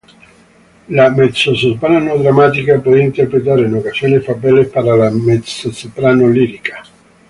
La mezzosoprano dramática puede interpretar en ocasiones papeles para la mezzosoprano lírica.